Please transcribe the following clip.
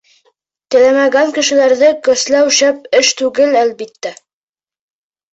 Теләмәгән кешеләрҙе көсләү шәп эш түгел, әлбиттә.